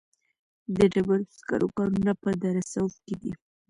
د ډبرو سکرو کانونه په دره صوف کې دي